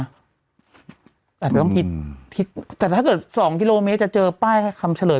อาจจะต้องคิดคิดแต่ถ้าเกิด๒กิโลเมตรจะเจอป้ายคำเฉลย